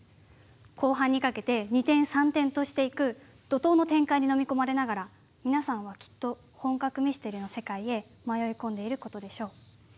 後半にかけて二転三転としていく怒とうの展開にのみ込まれながら皆さんは、きっと本格ミステリの世界へ迷い込んでいることでしょう。